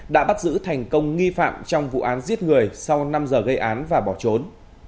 đã bắt giữ thành công nghi phạm trong vụ án giết người sau năm giờ gây án và bỏ trốn